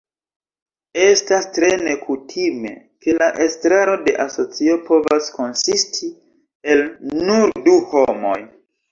Estas tre nekutime, ke la estraro de asocio povas konsisti el nur du homoj.